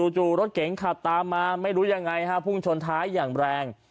จู่รถเก๋งขับตามมาไม่รู้ยังไงฮะพุ่งชนท้ายอย่างแรง